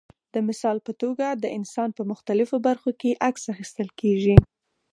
د مثال په توګه د انسان په مختلفو برخو کې عکس اخیستل کېږي.